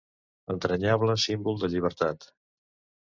Entranyable símbol de llibertat.